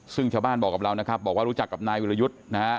ซึ่งชาวบ้านบอกกับเรานะครับบอกว่ารู้จักกับนายวิรยุทธ์นะฮะ